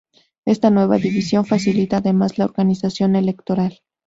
Esta nueva división facilita además la organización electoral.